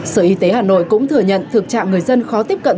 sở y tế hà nội cũng thừa nhận thực trạng người dân khó tiếp cận